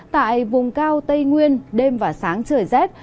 tại vùng cao tây nguyên đêm và sáng trời rét